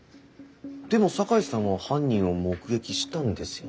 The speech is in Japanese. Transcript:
でも坂井さんは犯人を目撃したんですよね？